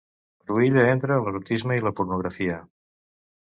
Cruïlla entre l'erotisme i la pornografia.